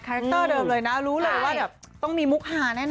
แคคเตอร์เดิมเลยนะรู้เลยว่าแบบต้องมีมุกฮาแน่น